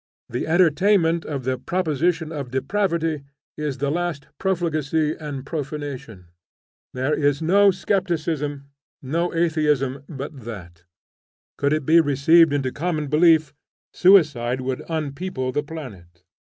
The entertainment of the proposition of depravity is the last profligacy and profanation. There is no skepticism, no atheism but that. Could it be received into common belief, suicide would unpeople the planet.